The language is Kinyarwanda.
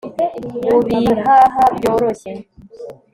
mu bihaha byoroshye